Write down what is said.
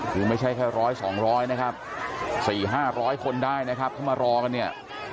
คือไม่ใช่แค่ร้อยสองร้อยนะครับ๔๕๐๐คนได้นะครับเขามารอกันเนี่ย